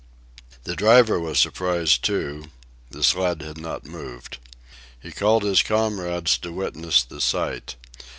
The driver was surprised, too; the sled had not moved. He called his comrades to witness the sight.